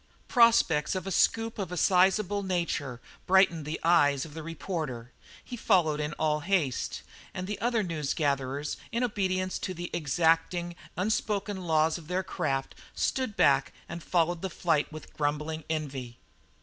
Prospects of a scoop of a sizable nature brightened the eyes of the reporter. He followed in all haste, and the other news gatherers, in obedience to the exacting, unspoken laws of their craft, stood back and followed the flight with grumbling envy.